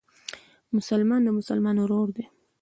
مسلمان د مسلمان ورور دئ.